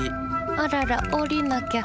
あららおりなきゃ。